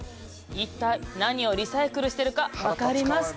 一体何をリサイクルしてるか分かりますか？